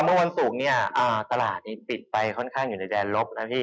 เมื่อวันศุกร์เนี่ยตลาดนี้ปิดไปค่อนข้างอยู่ในแดนลบนะพี่